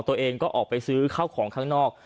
ตัวเองก็ออกไปซื้อข้าวของข้างนอก